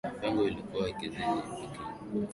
pengo hilo ilikuwa ikizidi kuongezeka